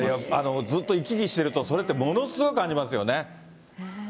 ずっと行き来してると、それって、ものすごく感じますよね。